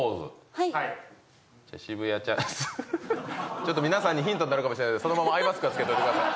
ちょっと皆さんにヒントになるかもしれないんでそのままアイマスクは着けといてください。